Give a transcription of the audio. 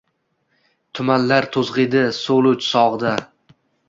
Tumanlar to‘zg‘iydi so‘lu sog‘ida.